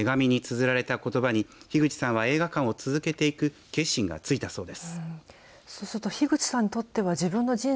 手紙につづられたことばに樋口さんは映画館を続けていく決心がついたそうです。